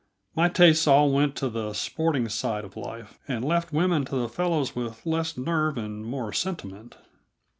My tastes all went to the sporting side of life and left women to the fellows with less nerve and more sentiment.